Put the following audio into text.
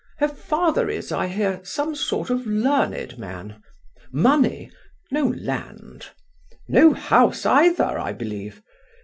Her father is, I hear, some sort of learned man; money; no land. No house either, I believe.